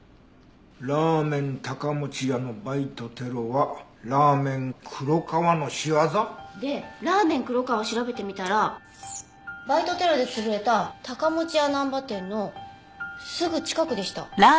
「ラーメン高持屋のバイトテロはラーメン黒川の仕業」？でラーメン黒川を調べてみたらバイトテロで潰れた高持屋難波店のすぐ近くでした。